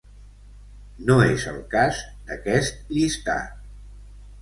No és el cas d'aquest llistat.